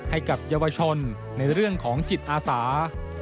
ให้กับเยาวชนในเรื่องของจิตอาสา